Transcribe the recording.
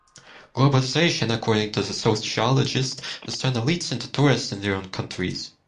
Globalization, according to the sociologist, has turned elites into tourists in their own countries.